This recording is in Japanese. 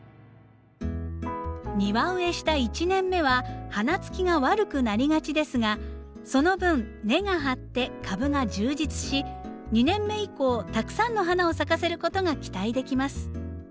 庭植えした１年目は花つきが悪くなりがちですがその分根が張って株が充実し２年目以降たくさんの花を咲かせることが期待できます。